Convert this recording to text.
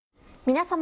皆様。